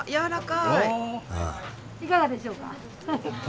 いかがでしょうか？